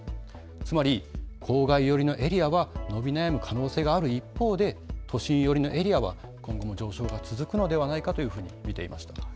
つまり郊外寄りのエリアは伸び悩む可能性がある一方で都心寄りのエリアは今後も上昇が続くのではないかと見ています。